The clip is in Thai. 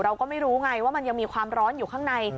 เราก็ไม่รู้ไงว่ามันยังมีความร้อนอยู่ข้างใน